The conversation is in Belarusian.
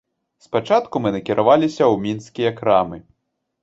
Спачатку мы накіраваліся ў мінскія крамы.